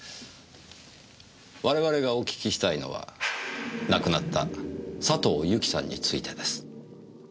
我々がお訊きしたいのは亡くなった佐藤由紀さんについてです。